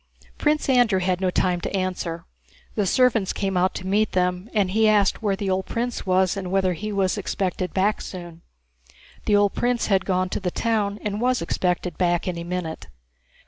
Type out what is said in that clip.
Prince Andrew had no time to answer. The servants came out to meet them, and he asked where the old prince was and whether he was expected back soon. The old prince had gone to the town and was expected back any minute.